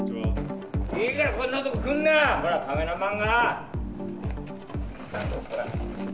いいからこんな所くんな、カメラマンが。。